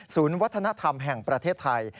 วัฒนธรรมแห่งประเทศไทย